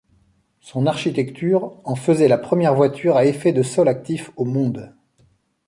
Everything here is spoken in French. Son architecture en faisait la première voiture à effet de sol actif au monde.